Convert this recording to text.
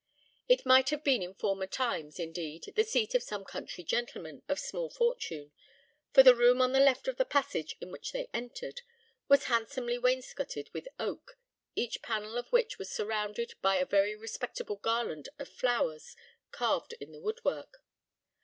It might have been in former times, indeed, the seat of some country gentleman of small fortune, for the room on the left of the passage in which they entered, was handsomely wainscoted with oak, each panel of which was surrounded by a very respectable garland of flowers carved in the woodwork.